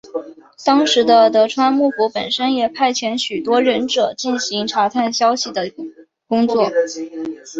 当时的德川幕府本身也派遣许多忍者进行查探消息的工作。